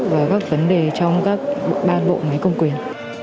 và các vấn đề trong các ban bộ máy công quyền